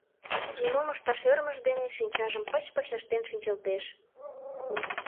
Нимом ышташ ӧрмыж дене шинчажым пыч-пыч ыштен шинчылтеш.